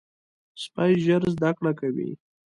سپي ژر زده کړه کوي.